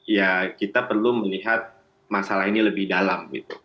ya kita perlu melihat masalah ini lebih dalam